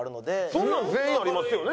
そんなの全員ありますよね？